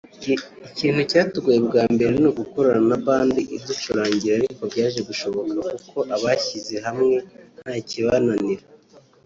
Ikintu cyatugoye bwa mbere ni ugukorana na Band iducurangira ariko byaje gushoboka kuko abashyize hamwe nta kibananira